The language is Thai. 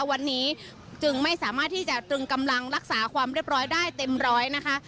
วันนี้จึงไม่สามารถที่จะตรึงกำลังรักษาความเรียบร้อยได้เต็มร้อยนะคะ